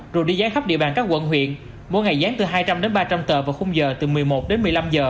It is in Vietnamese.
rồi đi gián khắp địa bàn các quận huyện mỗi ngày gián từ hai trăm linh ba trăm linh tờ vào khung giờ từ một mươi một một mươi năm h